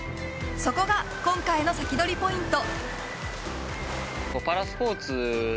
そこが今回のサキドリポイント。